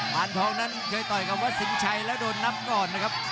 มานทองนั้นเคยต่อยกับวัดสินชัยแล้วโดนนับก่อนนะครับ